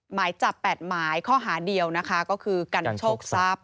หมายจับ๘หมายข้อหาเดียวนะคะก็คือกันโชคทรัพย